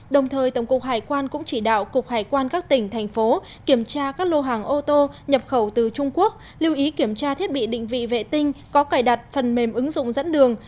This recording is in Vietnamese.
đồng thời tổng cục hải quan cũng chỉ đạo cục hải quan các tỉnh thành phố kiểm tra các lô hàng ô tô nhập khẩu từ trung quốc lưu ý kiểm tra thiết bị định vị vệ tinh có cài đặt phần mềm ứng dụng dẫn đường